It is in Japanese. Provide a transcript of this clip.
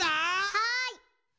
はい！